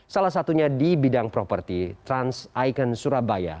salah satunya di bidang properti trans icon surabaya